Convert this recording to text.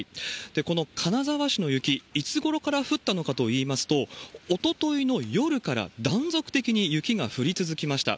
この金沢市の雪、いつごろから降ったのかといいますと、おとといの夜から断続的に雪が降り続きました。